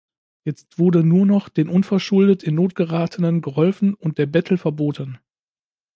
Jetzt wurde nur noch den unverschuldet in Not geratenen geholfen und der Bettel verboten.